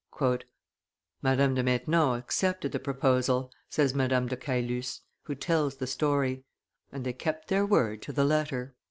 "Madame de Maintenon accepted the proposal," says Madame de Caylus, who tells the story, "and they kept their word to the letter."